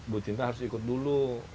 bu cinta harus ikut dulu